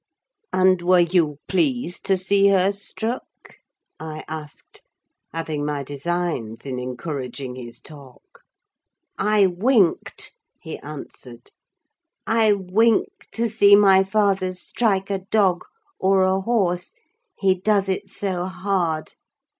"And were you pleased to see her struck?" I asked: having my designs in encouraging his talk. "I winked," he answered: "I wink to see my father strike a dog or a horse, he does it so hard.